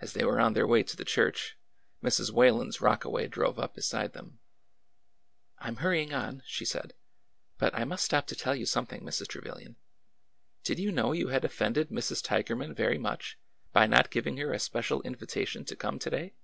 As they were on their way to the church, Mrs. Whalen's rockaway drove up beside them. '' I 'm hurrying on," she said ;" but I must stop to tell you something, Mrs. Trevilian. Did you know you had offended Mrs. Tigerman very much by not giving her a special invitation to come to day